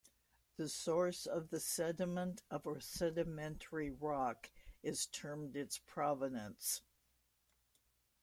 The source of the sediment of a sedimentary rock is termed its provenance.